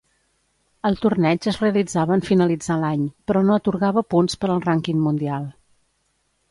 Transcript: El torneig es realitzava en finalitzar l'any però no atorgava punts per al rànquing mundial.